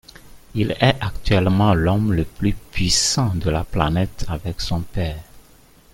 Il est actuellement l'homme le plus puissant de la planète avec son père.